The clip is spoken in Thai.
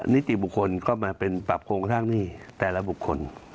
นิติบุคคลก็มาเป็นปรับโครงสร้างหนี้แต่ละบุคคล